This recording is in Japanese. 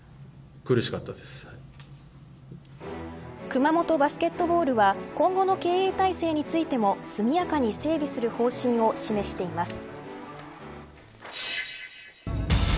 熊本バスケットボールは今後の経営体制についても速やかに整備する方針を示しています。